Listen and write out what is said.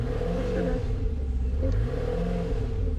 ওরা শহরে বিয়ের কেনাকাটা করতে গেছে।